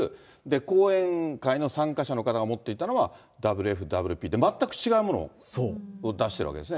講演会の参加者の方が持っていたのは、ＷＦＷＰって、全く違うものを出してるわけですね。